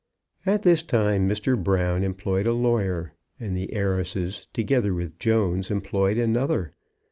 At this time Mr. Brown employed a lawyer, and the heiresses, together with Jones, employed another.